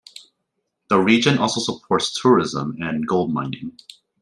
The region also supports tourism and gold mining.